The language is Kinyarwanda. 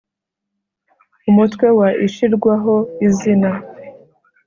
UMUTWE WA I ISHIRWAHO IZINA